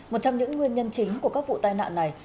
một trong những nguyên nhân chính của các vụ tai nạn này